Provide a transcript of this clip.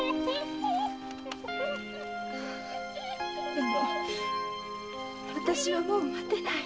でもあたしはもう待てない。